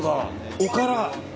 おから！